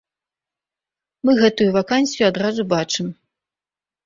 Мы гэтую вакансію адразу бачым.